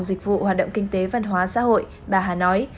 dịch vụ hoạt động kinh tế văn hóa xã hội bà hà nói